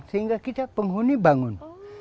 sehingga kita penghuni bangun